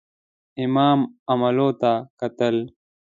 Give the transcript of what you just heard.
امام عملو ته کتل.